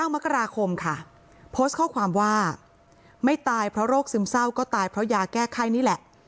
มกราคมค่ะโพสต์ข้อความว่าไม่ตายเพราะโรคซึมเศร้าก็ตายเพราะยาแก้ไข้นี่แหละ